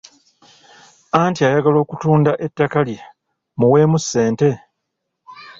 Anti ayagala okutunda ettaka lye mmuweemu ssente?